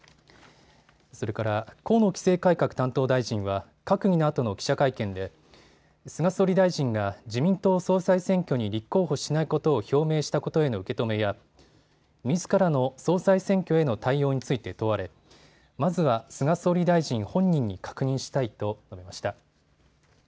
それから河野規制改革担当大臣は閣議のあとの記者会見で菅総理大臣が自民党総裁選挙に立候補しないことを表明したことへの受け止めやみずからの総裁選挙への対応について問われまずは菅総理大臣本人に確認したいと述べました。